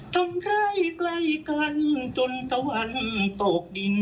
ทำไร่ใกล้กันจนตะวันตกดิน